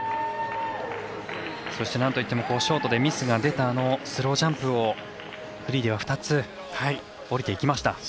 そして、なんといってもショートでミスが出たスロージャンプをフリーでは２つ降りていきました。